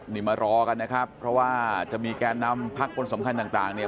นี่มารอกันนะครับเพราะว่าจะมีแกนนำพักคนสำคัญต่างเนี่ย